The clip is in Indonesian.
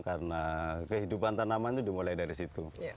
karena kehidupan tanaman itu dimulai dari situ